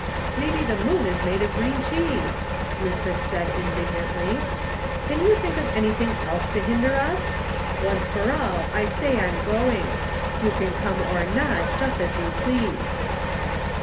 "Maybe the moon is made of green cheese," Rufus said indignantly. "Can you think of anything else to hinder us ? Once for all, I say I'm going ; you can come or not, just as you please."